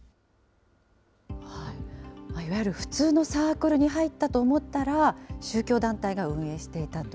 いわゆる普通のサークルに入ったと思ったら、宗教団体が運営していたと。